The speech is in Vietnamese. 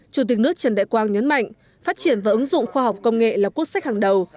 chủ tịch nước trần đại quang nhấn mạnh phát triển và ứng dụng khoa học công nghệ là quốc sách hàng đầu